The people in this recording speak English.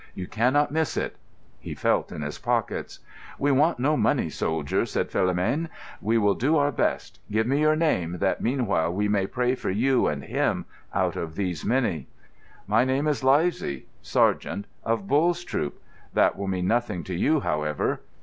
You cannot miss it." He felt in his pockets. "We want no money, soldier," said Philomène. "We will do our best. Give me your name, that meanwhile we may pray for you and him, out of these many." "My name is Livesay, Sergeant, of Bull's troop. That will mean nothing to you, however."